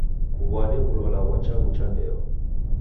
Kuw'ade w'ulalo ghwa chaghu cha ndeyo.